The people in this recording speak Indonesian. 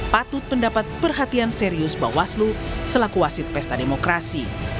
patut mendapat perhatian serius bawaslu selaku wasit pesta demokrasi